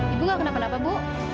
ibu kenapa napa bu